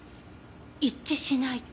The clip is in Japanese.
一致しない。